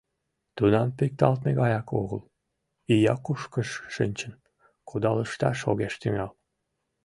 Тунам пикталтме гаяк огыл, ия кушкыж шинчын кудалышташ огеш тӱҥал.